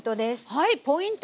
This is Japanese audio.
はいポイント